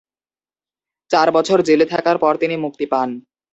চার বছর জেলে থাকার পর তিনি মুক্তি পান।